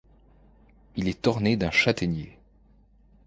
Il est orné d'un châtaignier.